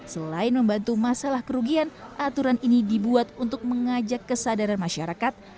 selain membantu masalah kerugian aturan ini dibuat untuk mengajak kesadaran masyarakat